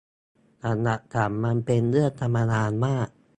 สำหรับฉันมันเป็นเรื่องธรรมดามาก